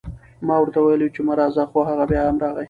ما ورته وئيلي وو چې مه راځه، خو هغه بيا هم راغی